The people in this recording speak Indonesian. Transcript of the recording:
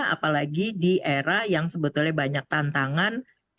apalagi di era yang sebetulnya banyak tantangan